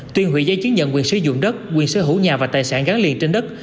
tuyên hủy giấy chứng nhận quyền sử dụng đất quyền sở hữu nhà và tài sản gắn liền trên đất